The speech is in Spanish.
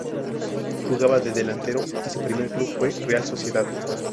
Jugaba de delantero y su primer club fue Real Sociedad.